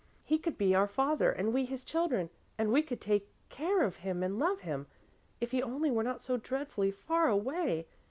"He could be our father and we his children and we could take care of him and love him. If he only were not so dreadfully far away!